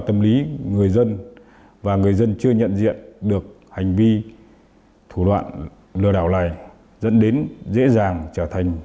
tâm lý người dân và người dân chưa nhận diện được hành vi thủ đoạn lừa đảo này dẫn đến dễ dàng trở thành